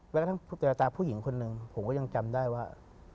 แววตาผู้หญิงคนหนึ่งผมก็ยังจำได้ว่า